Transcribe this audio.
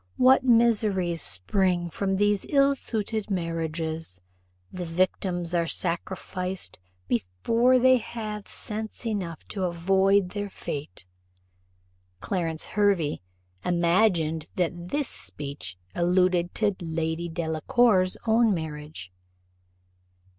"What miseries spring from these ill suited marriages! The victims are sacrificed before they have sense enough to avoid their fate." Clarence Hervey imagined that this speech alluded to Lady Delacour's own marriage.